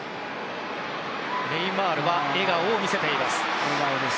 ネイマールは笑顔を見せています。